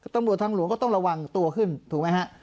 ตำรวจทางหลวงก็ต้องระวังตัวขึ้นถูกไหมฮะ